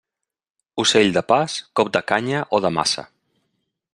Ocell de pas, cop de canya o de maça.